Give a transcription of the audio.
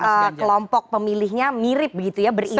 karena kelompok pemilihnya mirip begitu ya beririsan ya